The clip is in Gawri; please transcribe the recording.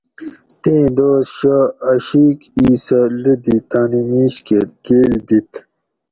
تیں دوس شہ اۤشیک ایسہ لدی تانی میش کہ گیل دِیت